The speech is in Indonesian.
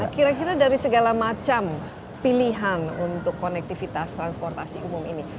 kira kira dari segala macam pilihan untuk konektivitas transportasi umum ini